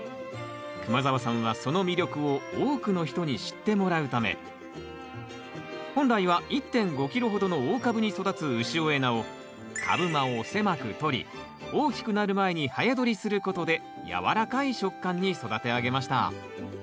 熊澤さんはその魅力を多くの人に知ってもらうため本来は１．５キロほどの大株に育つ潮江菜を株間を狭くとり大きくなる前に早どりすることで軟らかい食感に育て上げました。